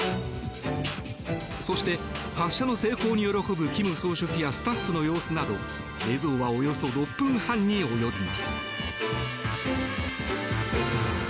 そして発射の成功に喜ぶ金総書記やスタッフの様子など映像はおよそ６分半に及びました。